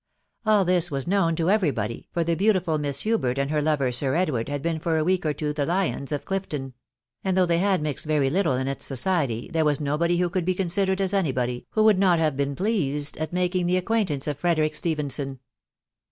All this was known to everybody, for the beautiful Miss Hubert and her lover Sir Edward had been for a week or two the lions of Clifton ; sad though they had mixed very little vu \te v>ctate|, these mu nobody who could be considered at iujto&j» ito* ^w^ THE WIDOW BARNABT. 177 not have been well pleased at making the acquaintance of Frederick Stephenson.